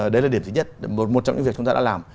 đấy là điểm thứ nhất một trong những việc chúng ta đã làm